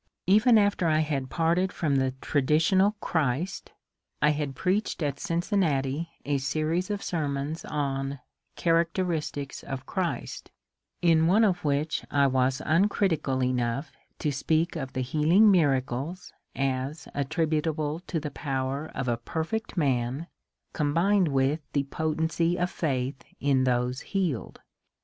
Even after I had parted from the traditional Christ, I had preached at Cincinnati a series of sermons on ^^ Charac teristics of Christ," in one of which I was uncritical enough to speak of the healing miracles as attributable to the power of a perfect man combined with the potency of faith in those healed.